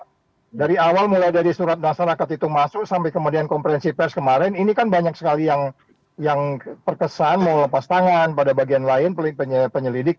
nah dari awal mulai dari surat masyarakat itu masuk sampai kemudian konferensi pers kemarin ini kan banyak sekali yang perkesan mau lepas tangan pada bagian lain penyelidik